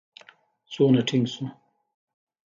څومره ټينګ شو.